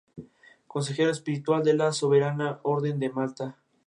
Se utilizó un chip adicional de Texas Instruments para implementar la puntuación en pantalla.